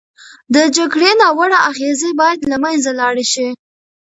د جګړې ناوړه اغېزې باید له منځه لاړې شي.